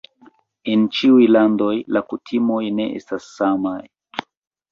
En ĉiuj landoj la kutimoj ne estas samaj.